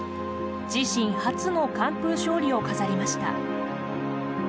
自身初の完封勝利を飾りました。